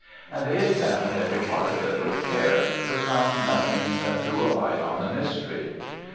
and they examined every part of it with care, but found nothing that threw a light on the mystery.